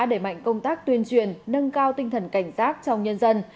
đã đẩy mạnh công tác tuyên truyền nâng cao tinh thần cảnh giác trong nhân dân